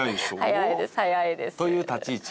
早いです早いです。という立ち位置